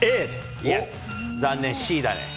いや、残念、Ｃだね。